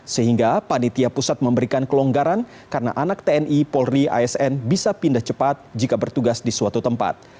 sehingga panitia pusat memberikan kelonggaran karena anak tni polri asn bisa pindah cepat jika bertugas di suatu tempat